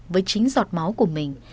với chính giọt máu của mình